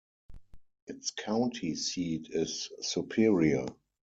Its county seat is Superior.